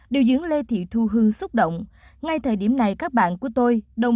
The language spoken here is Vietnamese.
điều dưỡng lê thị thu hương xúc động